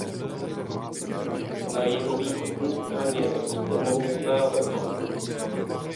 Na jihovýchodní straně roste mohutná vrba.